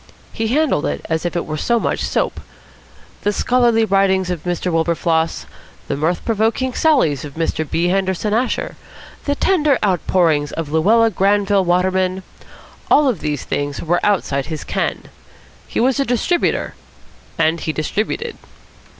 He handled it as if it were so much soap. The scholarly writings of Mr. Wilberfloss, the mirth provoking sallies of Mr. B. Henderson Asher, the tender outpourings of Louella Granville Waterman all these were things outside his ken. He was a distributor, and he distributed.